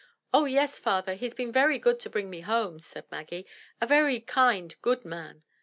"Oh, yes, father, he's been very good to bring me home," said Maggie, — "a very kind, good man!"